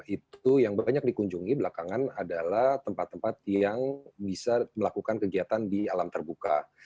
itu yang banyak dikunjungi belakangan adalah tempat tempat yang bisa melakukan kegiatan di alam terbuka